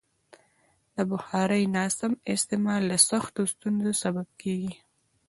د بخارۍ ناسم استعمال د سختو ستونزو سبب کېږي.